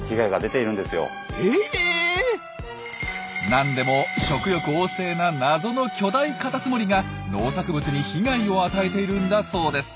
なんでも食欲旺盛な謎の巨大カタツムリが農作物に被害を与えているんだそうです。